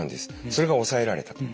それが抑えられた。